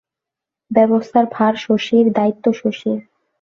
ব্যবস্থার ভার শশীর, দায়িত্ব শশীর।